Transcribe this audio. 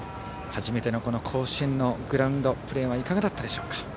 初めての甲子園のグラウンドでのプレーはいかがだったでしょうか。